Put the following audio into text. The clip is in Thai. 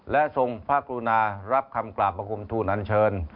และทรงพระกรุณารับคำกราบประคมทูนันเชิญ